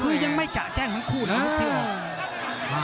คือยังไม่จ่ะแจ้งทั้งคู่นะ